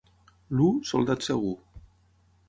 L'u, soldat segur.